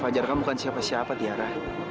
kak fajar kan bukan siapa siapa tiara